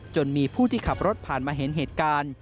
จนมีผู้ที่ขับรถผ่านมาเห็นเหตุการณ์